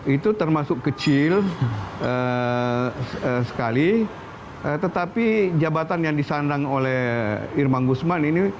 itu termasuk kecil sekali tetapi jabatan yang disandang oleh irman gusman ini